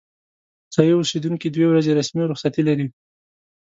ځايي اوسیدونکي دوې ورځې رسمي رخصتي لري.